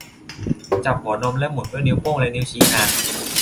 จับหัวนมและหมุนด้วยนิ้วโป้งและนิ้วชี้นาน